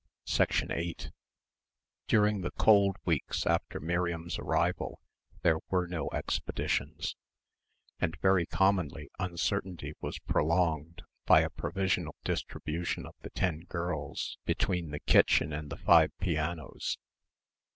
8 During the cold weeks after Miriam's arrival there were no expeditions; and very commonly uncertainty was prolonged by a provisional distribution of the ten girls between the kitchen and the five pianos.